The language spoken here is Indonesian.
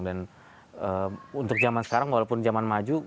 dan untuk zaman sekarang walaupun zaman maju